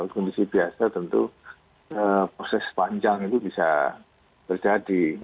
kondisi biasa tentu proses panjang itu bisa terjadi